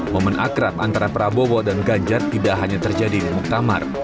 momen akrab antara prabowo dan ganjar tidak hanya terjadi di muktamar